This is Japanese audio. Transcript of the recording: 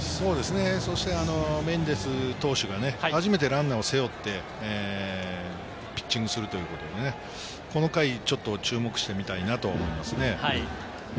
そしてメンデス投手が初めてランナーを背負ってピッチングするということで、この回、ちょっと注目して見たいなと思いますね。